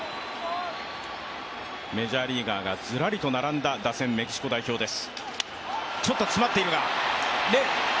メジャーリーガーがずらりと並んだ打線、メキシコ代表です